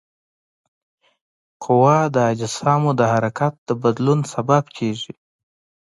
قوه د اجسامو د حرکت د بدلون سبب کیږي.